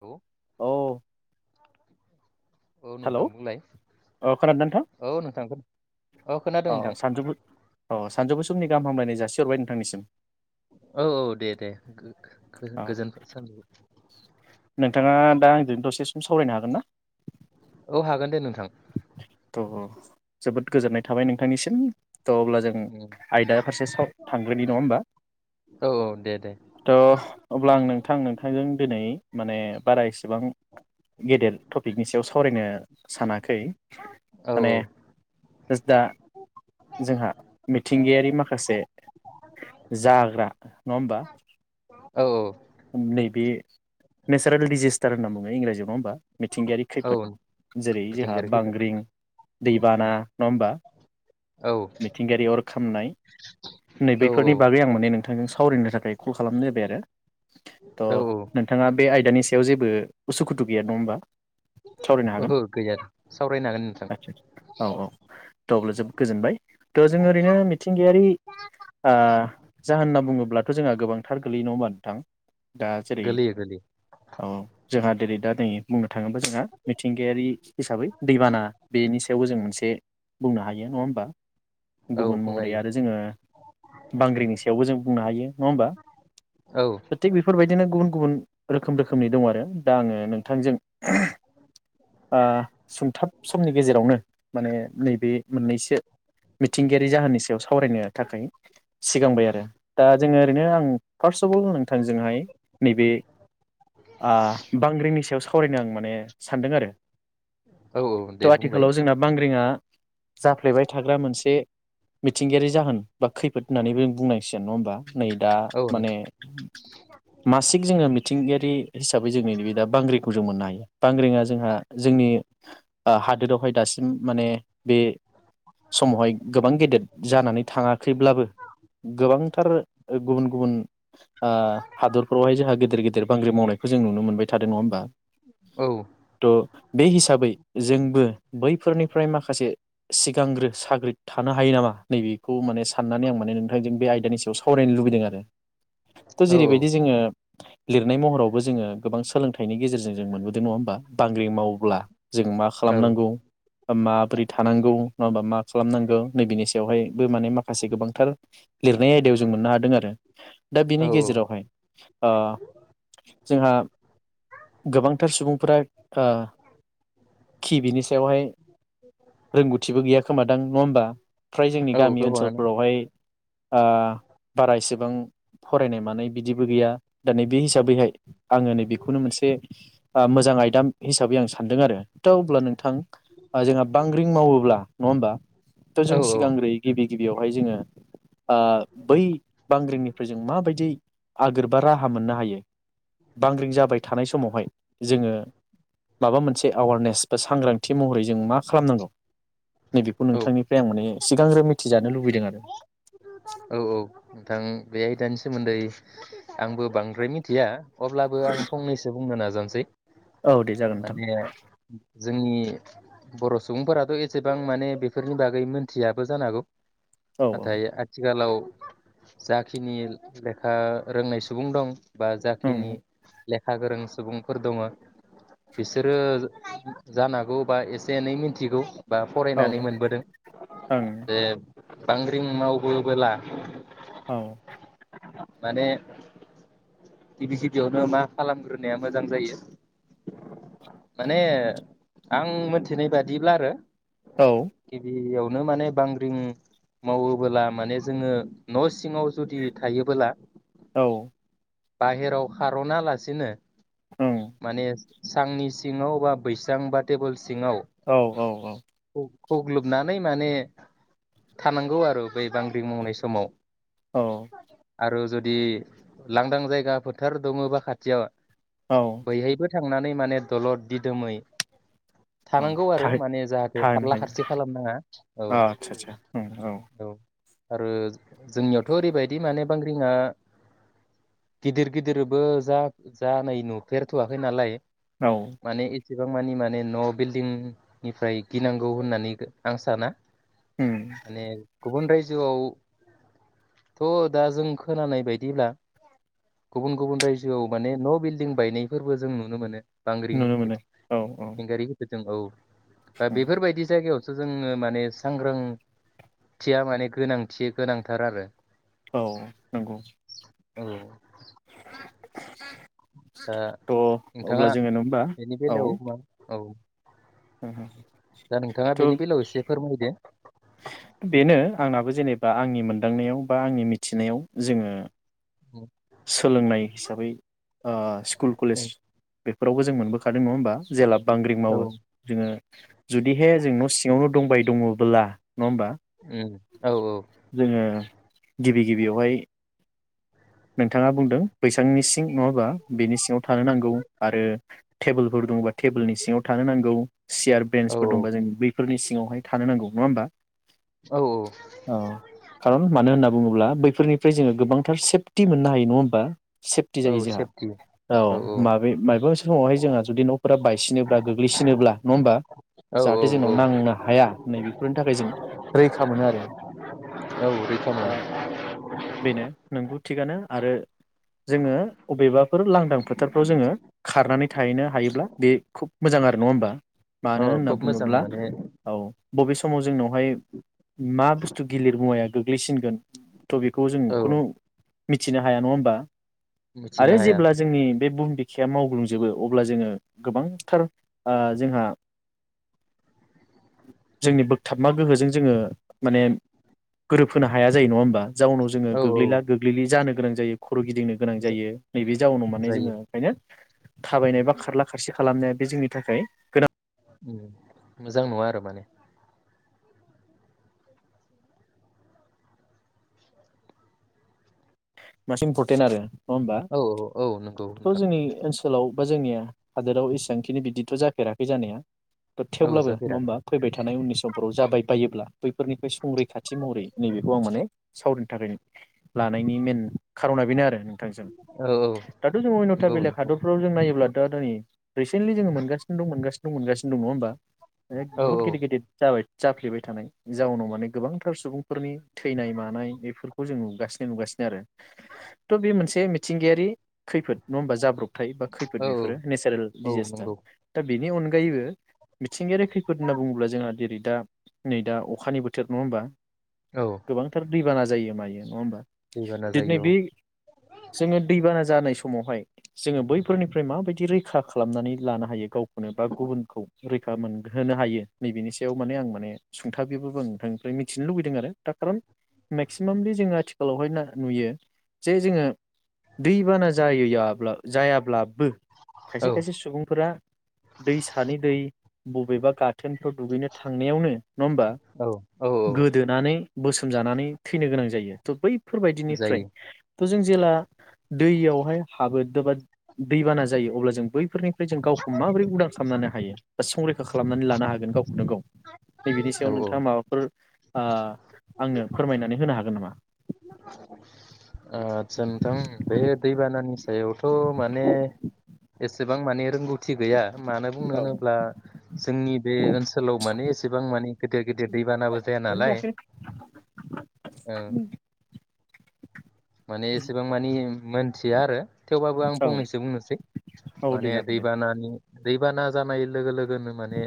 औ औ औ हेलौ नोंथां बुंलाय अ खोनादों न नोंथां औ नोंथां खोनादों औ नोंथां सानजुफु अ सानजौफु समनि गाहाम हामलायनाय जासि हरबाय नथांनिसिम औ औ दे दे औ गोजोन सान नोंथाङा दा आंजों दसे सावरायनो हागोनना औ हागोन दे नों औ-औ। जोबोद गोजोननाय थाबाय नोंथांनिसिम। थ' अब्ला जों आयदा फारसे थांग्रोनि नङा होमबा औ दे दे थ' अब्ला आं नोंथां नोंथांजों दिनै माने बारा इसेबां गेदेर टपिकनि सायाव सावरायनो सानाखै। खै औ औ माने [unintelligible] दा जोंहा मिथिंगायारि माखासे जाग्रा नङा होमबा औ नैबे नेसारेल दिजेस्टार होनना बुङो इंराजियाव नङा होनोमबा। मिथिंगायारि औ खैफोद जेरै जोहा मिथिंगायारि खैफोद बांग्रिं दैबाना नङा होमबा औ मिथिंगायारि अर खामनाय नै औ बैफोरनि बागै आं माने- नोंथांजों सावरायनो थाखाय कल खालामनाय जाबाय आरो। औ औ त' नोंथाङा बे आइ दानि सायाव जेबो उसुखुथु गैया नङा होमबा। सावरायनो हागोन। ओहो गैया सावरायनो हागोन नोंथां आतसा औ-औ थ अब्ला जेबो गोजोनबाय थ' जोङो ओरैनो मिथिंगायारि ओ जाहोन ना बुङोब्लाथ' जोंहा गोबांथार गोलैयै नङा होमबा नोंथां। दा जेरै गोलैयो गोलैयो औ जोंहा जेरै दा नै बुं थाङोबा जोंहा मिथिंगायारि हिसाबै दैबाना बेनि सायावबो जों जों मोनसे बुंनो हायो नङा होमबा। औ गुबुन बुंनो महरै हायो आरो जोङो बांग्रिंनि सायावबो जों बुंनो हायो नङा होमबा औ थिग बेफोरबायदिनो गुबुन गुबुन रोखोम रोखोमनि दं आरो दा आङो नोंथांजों ओ सुंथाब समनि गेजेरावनो माने नैबे मोननैसो मिथिंगायारि जाहोननि सायाव सावरायनो थाखाय सिगांबाय आरो दा जोङो ओरैनो आं फार्स अफ अल नोंथांजोंहाय नैबे ओ बांग्रिंनि सायाव सावरायनो आं माने सानदों आरो। औ औ दे त' बुंबाय आथिखालाव जोंना बांग्रि जोंहा जाफ्लेबाय थाग्रा मोनसे मिथिंगायारि जाहोन बा खैफोद होननानैबो बुंनांसिगोन नङा होनबा। नै दा औ औ माने मासिक जोङो मिथिंगायारि हिसाबै जों नैबे दा बांग्रिंखौ जों मोननो हायो बांग्रिंआ जोंहा जोंनि ओ हादोरावहाय दासिम उम माने बे समावहाय गोबां गेदेर जानानै थाङाखैब्लाबो गोबांथार गुबुन-गुबुन ओ हादरफ्रावहाय जोंहा गेदेर-गेदेर बांग्रि मावनायखौ जों नुनो मोनबाय थादों नङा होनबा। औ थ' हिसाबै जोंबो बै फोरनिफ्राय माखासे सिगांग्रो साग्रिद थानो हायो नामा नै बेखौ माने साननानै आं माने नोंथांजों बे आयदानि सो सावरायनो लुबैदों आरो। थ औ जेरैबायदि जोङो लिरनाय महरावबो जोङो गोबां सोलोंथाइनि गेजेरजों जों मोनबोदों नङा होमबा बांग्रि माव अब्ला जों मा औ खालामनांगौ बा माबोरै थानांगौ नङाहोनबा मा खालामनांगौ नै बेनि सायावहायबो माने माखासे गोबांथार लिरनाय आयदायाव जों मोननो हादों आरो। दा बिनि औ गेजेरावहाय ओ जोंहा गोबांथार सुबुंफोरा ओ खि बिनि सायावहाय रोंगौथिबो गैया खोमा दां नङा होनबा? फ्राय जोंनि औ गामि गोबाङानो ओनसोलफोरावहाय ओ बारा एसेबां फरायनाय मानाय बिदिबो गैया दा नै बे हिसाबैहाय आङो नै बेखौनो मोनसे ओ मोजां आइदाम हिसाबै आं सा दों आरो दा अब्ला नों थां जोंहा बांग्रिं मावोब्ला नङा होनबा? थ औ जों सिगांग्रोयै गिबि गिबियावहाय जोङो ओ बै बांग्रिंनिफ्राय जों माबायदि आगोर बा राहा मोननो हायो बांग्रिं जाबाय थानाय समावहाय जोङो माबा मोनसे एवारनेस बा सांग्रांथि महरै जों मा खालामनांगौ? नै बेखौ औ नोंथांनिफ्राय आं माने सिगांग्रो मिथिजानो लुबैदों आरो। औ औ नोंथां बे आयदानि सोमोन्दै आंबो बांद्राय मिथिया अब्लाबो आं फंनैसो बुंनो नाजानोसै औ दे जागोन माने नोंथां जोंनि बर सुबुंफोराथ एसेबां माने बेफोरनि बागै मोनथियाबो जानो हागौ औ औ नाथाय आथिखालाव जाखिनि लेखा रोंनाय सुबुं दं बा जाखिनि ओं लेखा गोरों सुबुंफोर दङ बिसोरो जानांगौ बा एसे एनै मिथिगौ बा औ फरायनानै मोनबोदों ओं बे बांग्रि मावबोबोला औ। माने गिबि गिबियावनो मा खालामग्रोनाया मोजां जायो माने आं मोनथिनाय बादिब्ला आरो। औ गिबि आव बेनो माने बांग्रिं मावोबोला माने जोङो न' सिङाव जुदि थायोबोला औ। बाहेराव खारना लासिनो माने सांनि सिङाव बा बैसां बा टेबोल औ औ औ। खुगलोबनानै माने थानांगौ आरो बै बांग्रि मावनाय समाव। औ आरो जु दे लांदां जायगा फोथार दङबा खाथियाव। औ बैहायबो थां। सांनानै माने दलद दिदोमै। औ थानांगौ आरो थाहै माने जाहाथे थानो खारला हायो खारसि खालामनाङा औ आदसा आदसा उम औ। आरो जोंनियावथ' ओरैबायदि माने बांग्रिंआ। गिदिर गिदिरबो जा जानाय नुफेरथ'वाखै नालाय। औ। माने एसेबां मानि माने न' बिल्डिंनिफ्राय गिनांगौ होननानै आं साना। उम माने गुबुन रायजोआवथ' दा जों खोनानाय बायदिब्ला। गुबुन गुबुन रायजोआव माने न' बिल्डिं बायनायफोरबो जों नुनो मोनो। नुनो बांग्रिंथि मोनो औ औ मिथिंगायारि खैफोद। जों औ। दा उम बेफोरबायदि जायगायाव जोंङो माने सांग्रांथिया माने गोनांथि गोनांथार आरो। औ नोंगौ। औ दा थ' नोंथाङा अब्ला जोंङो न होमबा बेनि औ। बेलायाव मा औ दा नोंथांङा थ' बेनि बेलायाव एसे फोरमायदो। बेनो आंनाबो जेनेबा आंनि मोनदांनायाव बा आंनि मिथिनायाव, जोंङो [unintelligible] सोलोंनाय हिसाबै ओ सु स्कुल कलेज बे फोरावबो जों मोनबोखादों नङा होमबा जेलाब बांग्रिं औ मावो जोंङो जुदिहे जों न' सिङावनो दंबाय दंङब्ला नङा होमबा उम औ जोंङो गिबि-गिबियावहाय नोंथांङा बुंदों बैसांनि सिं नंङाबा बेनि सिङाव थानो नांगौ आरो टेबोलफोर दंङबा टेबोलनि सिङाव थानो नांगौ। सियार औ बेन्सफोर दंबा जों बै फोरनि सिंङावहाय थानो नांगौ नङा होमबा औ औ खारन मानो होनना बुङोब्ला बैफोरनिफ्राय जोंङो गोबांथार सेभ थि मोननो हायो नंङा होमबा सेफटि औ जायो जोंहा सेफटि औ माबे मायबा मोनसे समावहाय जोंहा जुदि न'फोरा बायसिनोब्ला गोग्लैसिनोब्ला नंङा होमबा औ औ जाहाथे जोंनाव औ नांनो हाया नै बेफोरनि थाखाय जों रैखा मोनो आरो औ रैखा मोनो ओ बेनो नोंबो थिगानो आरो जोंङो अबेबाफोर लांदां फोथारफ्राव जोंङो खारनानै थाहैनो हायोब्ला बे खुब मोजां आरो नङा होमबा मानो औ होनना खोब मोजां बुङोब्ला माने औ बबे समाव जोंनावहाय मा बुस्थु गिलिर मुवाया गोग्लैसिनगोन थ' बेखौ जों औ खुनु मिथिनो हाया नङा होमबा मिथिनो आरो हाया जेब्ला जोंनि बे बुहुम बिखाया मावग्लुंजोबो अब्ला जोंङो गोबांथार ओ जोंहा जोंनि बोगथाबमा गोहोजों जोंङो माने गोरोबहोनो हाया जायो नंङा होमबा बे जाउनाव जोङो औ औ गोग्लैला गोग्लै बिदि जानो गोनां जायो खर' गिदिंनो गोनां जायो नैबे जाउनाव माने जोङो जायो ओंखायनो थाबायनाय बा खारला खारसि खालामनाया जोंनि थाखाय गोदान मोजां नङा आरो माने मासे इनपरटेन आरो नङा होमबा औ औ औ नंगौ थ' नोंथां जोंनि ओनसोलाव बा जोंनिया हादोराव इसेबांखिनि बिदिथ' जाफेराखै जानाया औ थेवब्लाबो नङा जाफेराखै होमबा फैबाय थानाय उननि समफोराव जाबाय बायोब्ला फोरनिफ्राय संरैखाथि महरै नैबेखौ आं माने सावनि थाखाय लानायनि मेन खारना बेनो आरो नोंथांजों औ औ दाथ जों अयन्था नंगौ बेलेक नोंथां हादरफ्राव जों नायोब्ला [unintelligible] रिसेन्टलि जोङो मोनगासिनो दं मोनगासिनो मोनगासिनो दं नङा होनबा एक औ भुट औ गिदिर गिदिर जाबाय जाफ्लेबाय थानाय जाउनाव माने गोबांथार सुबुं फोरनि थैनाय मानाय बेफोर खौ जों नुगासिनो नुगासिनो आरो ट बे मोनसे मिथिंगायारि खैफोद नङा होमबा जाब्रब थाय बा खैफोद औ बेफोरो औ नेचारेल औ दिजेस्टार नंगौ दा बेनि अनगायैबो मिथिंगायारि खैफोद होनना बुङोब्ला जोंहा जेरै दा नै दा अखानि बोथोर नङा होमबा गोबांथार दैबाना जायो मायो नङा होमबा दै बाना दिनै बे जोङो दैबाना जानाय समावहाय जोङो बैफोरनिफ्राय माबायदि रैखा खालामनानै लानो हायो गावखौ बा गुबुनखौ रैखा मोनहोनो हायो नैबेनि सायाव माने आं माने सुंथाब बैबाबो आं नोंथांनिफ्राय मिथिनो लुबैदों आरो दा खारन मेक्सिमामलि जोङो आथिखालावहाय ना नुयो जे जोङो दैबाना जायैयाब्ला जायाब्ला बो खायसे औ खायसे सुबुंफोरा दै सानि दै बबेबा गाथोन थ' दुगैनो थांनायावनो नङा होमबा औ औ गोदोनानै बोसोम जानानै थैनो गोनां जायो ट' बै फोरबायदिनिफ्राय जायो थ'जों जेला दैयावहाय हाबोदबा दैबाना जायो अब्ला जों बैफोरनिफ्राय जों गावखौ माबोरै उदां खालामनो हायो बा संरैखा खालामनानै लानो हागोन गावखौनो गाव नैबेनि औ सायाव औ नोंथाङा माबाफोर ओ आंनो फोरमायनानै होनो हागोन नामा? [inaudible] ओ आतचा नोंथां बे दैबानानि सायावथ' माने एसेबां माने रोंगौ थि गैया मानो बुंनो औ होनोब्ला जोंनि बे ओनसोलाव माने एसेबां माने गेदेर गेदेर दैबानाबो जाया नालाय ओं माने एसेबां मानि मोनथिया आरो थेवबाबो आं औ फंनैसो बुंनोसै औ माने दे जागोन दे दैबानानि दैबाना जानाय लोगो लोग गोनो माने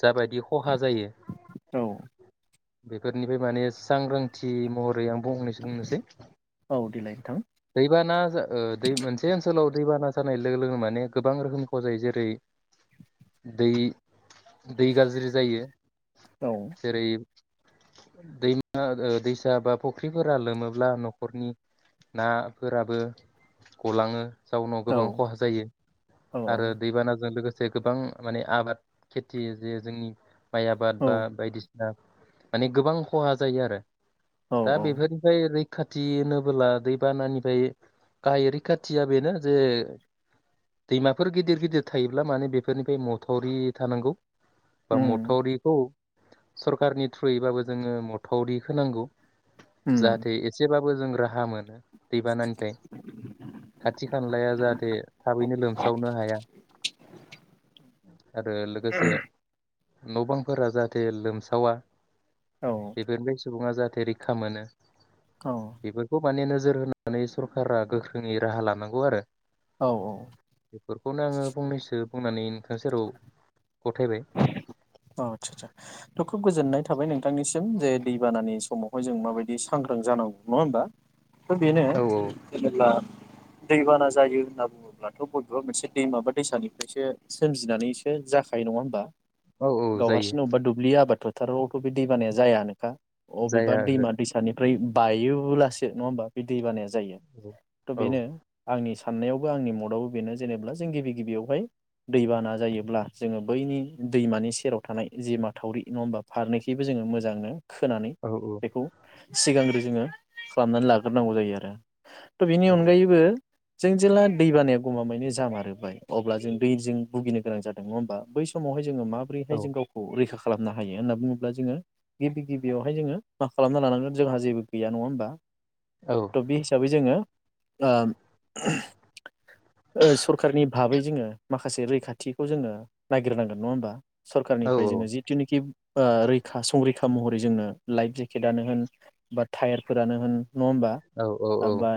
जाबायदि खहा जायो। औ बेफोरनिफ्राय माने सांग्रांथि महर गैयाम फुंनैसो बुंनोसै औ देलाय नोंथां दैबाना जा ओ दै मोनसे ओनसोलाव दैबाना जानाय लोगो लोगोनो माने गोबां रोखोमखौ जायो जेरै दै दै गाज्रि जायो औ जेरै दैमा ओ दैसा बा फुख्रिफोरा लोमोब्ला न'खरनि नाफोराबो गलाङो। जाउनाव गोबां औ खहा जायो औ आरो दैबानाजों लोगोस से गोबां माने आबाद खेथि जे जोंनि माइ आबाद औ बा बायदिसि ना माने गोबां खहा जायो आरो औ दा औ बेफोरनिफ्राय रैख खाथि होनोबोला दैबानानिफ्राय गाहाय रैखाथिया बेनो जे दैमाफोर गिदिर गिदिर थायोब्ला माने बेफोरनिफ्राय मथ'रि थानांगौ। बा उम मथ'रिखौ सरकारनि थ्रुयैबाबो जोङो मथावरि होनांगौ। उम जाहाथे एसेबाब बोजों राहा मोनो। दैबानानिफ्राय खाथि खानलाया जाहाथे थाबैनो लोमसावनो हाया आरो लोगोसे न'बांफोरा जाहाथे लोमसावा औ बेफोर मेन सुबुङा जा बे रैखा मोनो। औ बेफोरखौ माने नोज जोर होनानै सरकारा गोख्रोङै राहा लानांगौ आरो औ औ बेफोरखौनो आङो फंनैसो बुंनानैन थांसै र' औ आचसा आचसा ओ खुब गोजोननाय थाबाय नोंथांनिसिम जे दैबानानि समावहाय जों माबायदि सांग्रां जानांगौ नङा होमबा? स औ नो [unintelligible] दैबाना जायो होनना बुङोब्लाथ' बबेबा मोनसे दै माबा दैसानिफ्रायसो सोमजिनानैसो जाखायो नङा होनबा? बा औ औ जायो गावहारसिं अबेबा दुब्लि आबादफोर टारावथ' बे दैबानाया जायानोखा अबेबा जाया दैमा दैसानि ओरै बायोब्लासो नङा होमबा बे दै बानाया। जायो थ ओहो औ बेनो आंनि साननायावबो आंनि मदावबो बेनो जेनेा जों गिबि गिबियावहाय दैबाना जायोब्ला, जोङो बैनि दैमानि सेराव थानाय जे माथावि नङा होमबा? फारनै गबो जोङो मोजांनो खोनानै औ बेखौ सिगांग्रो [unintelligible] जोङो खालामनानै लाग्रोनांगौ जायो आरो। थ' बिनि औ अनगायैबो जों जेला दै बानाया गमामायानि जामारोबाय अब्ला जों दैजों भुगिनो गोनां जादों नङा होमबा? बै सम समहाय [unintelligible] जोङो माबोरैहाय औ जों गावखौ रैखा खालाम खालामनो हायो होनना बुङोब्ला जोङो गिबि गिबियावहाय जोङो मा खालामना लानांगोन? जोंहा जेबो गैया नङा होनोमबा? औ थ' बे हिसाबै जोङो ओ सरखारनि भाबै जोङो माखासे रैखाथिखौ जोङो नागिरनांगोन नङा होमबा? औ सरखारनिफ्राय जोङो जिथुनिखि ओ रैखा संरैखा महरै जोंनो लाइफ जेकेटनो होन बा टायारफोरानो होन। नङा होमबा औ औ दाब बा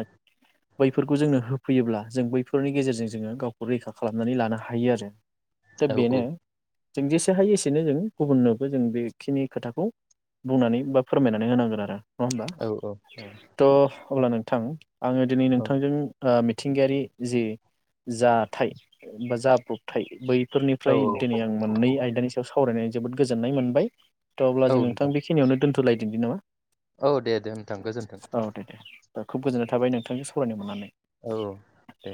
बैफोरखौ जोंनो होफैयोब्ला जों बैफोरनि गेजेरजों जोङो गावखौ रैखा खालामनानै लानो हायो आरो। दा बेनो जों जेसे हायो एसेनो जों गुबुननोबो जों बेखिनि खोथाखौ बुंनानै बा फोरमायनानै होनांगोन आरो। नङा होमबा? औ थ अब्ला नोंथां आङो दिनै नोंथांजों ओ थिंगायारि जे जाथाय बा जाब्रबथाय बै औ फोरनिफ्राय दिनै आं मोननै आयदानि सायाव साव आवरायनाय जोबोद गोजोननाय मोनबाय। थ अब्ला औ जों नोंथां बेखनिआवनो दोनथ सोलायदोंदि नामा? औ दे दे नोंथां गोजोन्थों। दा खुब गोजोननाय थाबाय नोंथांजों सावरायनो मोननानै। औ औ दे।